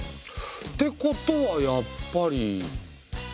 ってことはやっぱり。